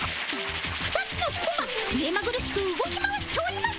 ２つのコマ目まぐるしく動き回っております。